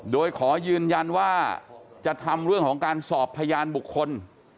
โดยขอยืนยันว่าจะทำเรื่องของการสอบพยานบุคคล